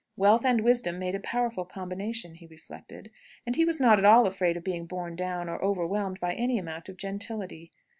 Wealth and wisdom made a powerful combination, he reflected. And he was not at all afraid of being borne down or overwhelmed by any amount of gentility.